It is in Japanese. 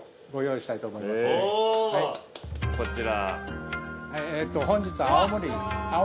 こちら。